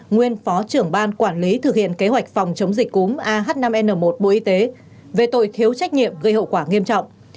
nguyên phó trưởng ban quản lý thực hiện kế hoạch phòng chống dịch cúm ah năm n một bộ y tế về tội thiếu trách nhiệm gây hậu quả nghiêm trọng